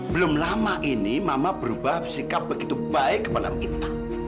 belum lama ini mama berubah sikap begitu baik kepada kita